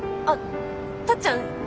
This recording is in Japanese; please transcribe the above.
あっタッちゃん